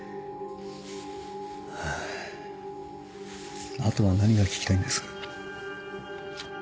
ハァあとは何が聞きたいんです？